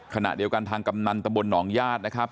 ขณะเดียวกันทางกำนันตะบลหนองญาตินะครับ